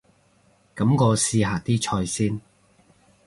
噉我試下啲菜先